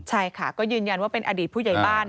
ใช่ค่ะก็ยืนยันว่าเป็นอดีตผู้ใหญ่บ้าน